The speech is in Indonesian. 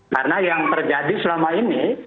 karena yang terjadi selama ini